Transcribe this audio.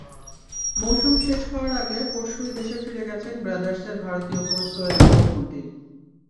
মৌসুম শেষ হওয়ার আগে পরশুই দেশে ফিরে গেছেন ব্রাদার্সের ভারতীয় কোচ সৈয়দ নইমুদ্দিন।